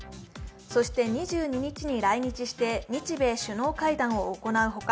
そして２２日に来日して日米首脳会談を行う他